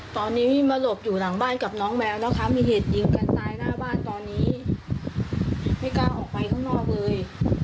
เจ้ากับน้องแมวนะคะมีเหตุยิงกันตายหน้าบ้านตอนนี้ไม่กล้าออกไปข้างนอกเลย